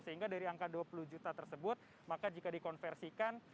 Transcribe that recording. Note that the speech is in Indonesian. sehingga dari angka dua puluh juta tersebut maka jika dikonversikan